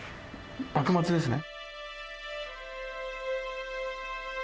幕末ですね。